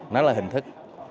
nó là hình thức